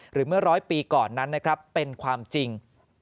หรือเมื่อร้อยปีก่อนนั้นนะครับเป็นความจริง